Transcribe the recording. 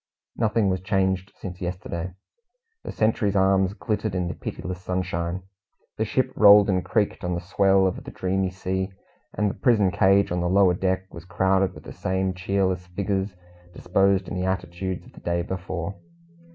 Nothing was changed since yesterday. The sentries' arms glittered in the pitiless sunshine, the ship rolled and creaked on the swell of the dreamy sea, and the prison cage on the lower deck was crowded with the same cheerless figures, disposed in the attitudes of the day before.